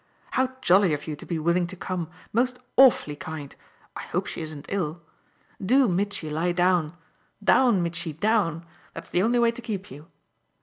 "How jolly of you to be willing to come most awfully kind! I hope she isn't ill? Do, Mitchy, lie down. Down, Mitchy, down! that's the only way to keep you."